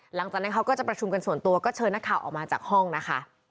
หลังจากนั้นเขาก็จะประชุมกันส่วนตัวก็เชิญนักข่าวออกมาจากห้องนะคะ